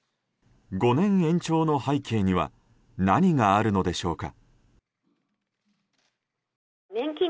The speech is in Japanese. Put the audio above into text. ５年延長の背景には何があるのでしょうか。